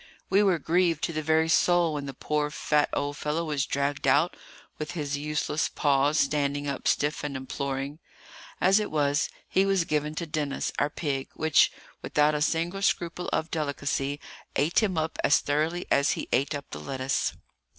We were grieved to the very soul when the poor fat old fellow was dragged out, with his useless paws standing up stiff and imploring. As it was, he was given to Denis, our pig, which, without a single scruple of delicacy, ate him up as thoroughly as he ate up the lettuce.